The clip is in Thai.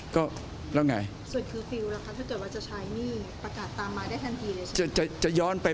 ก็แล้วยังไง